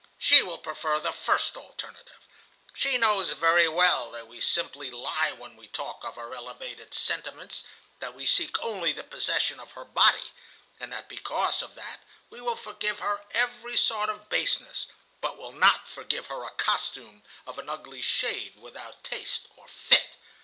She will prefer the first alternative. She knows very well that we simply lie when we talk of our elevated sentiments, that we seek only the possession of her body, and that because of that we will forgive her every sort of baseness, but will not forgive her a costume of an ugly shade, without taste or fit.